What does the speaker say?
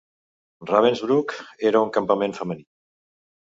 Ravensbrück era un campament femení.